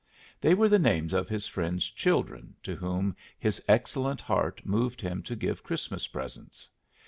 They were the names of his friends' children to whom his excellent heart moved him to give Christmas presents.